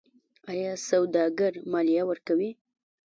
آیا سوداګر مالیه ورکوي؟